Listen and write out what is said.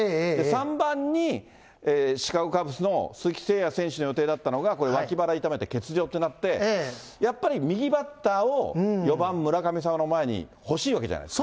３番にシカゴカブスの鈴木誠也選手の予定だったのが、これ、わき腹痛めて欠場ってなって、やっぱり右バッターを４番村上様の前に欲しいわけじゃないですか。